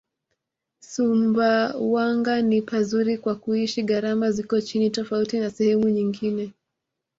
Sumbawanga ni pazuri kwa kuishi gharama ziko chini tofauti na sehemu nyngine